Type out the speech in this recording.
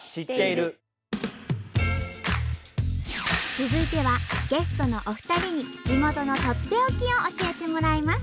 続いてはゲストのお二人に地元のとっておきを教えてもらいます。